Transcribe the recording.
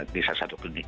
di salah satu klinik